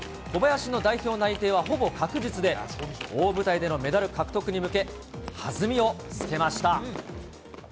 小林の代表内定はほぼ確実で、大舞台でのメダル獲得に向け、弾みをつけました。